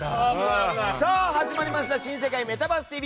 さあ始まりました「新世界メタバースＴＶ！！」